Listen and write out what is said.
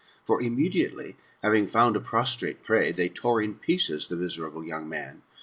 For, immediately, having found a prostrate prey, they tore in pieces the miserable young man.